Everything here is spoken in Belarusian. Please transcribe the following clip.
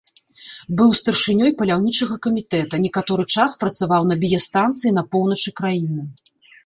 Быў старшынёй паляўнічага камітэта, некаторы час працаваў на біястанцыі на поўначы краіны.